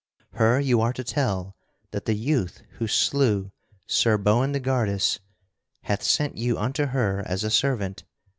Her you are to tell that the youth who slew Sir Boindegardus hath sent you unto her as a servant.